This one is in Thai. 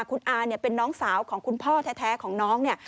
คุณอาเป็นน้องสาวของคุณพ่อแท้ของน้อง